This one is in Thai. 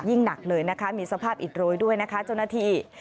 หนักเลยนะคะมีสภาพอิดโรยด้วยนะคะเจ้าหน้าที่